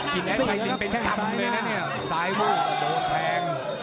กินแอคไตลินเป็นคำเลยนะเนี่ยซ้ายวูกโดดแทง